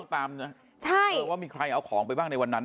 มันต้องตามนะมีใครเอาของไปบ้างในวันนั้น